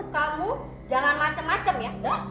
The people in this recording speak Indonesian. kamu jangan macem macem ya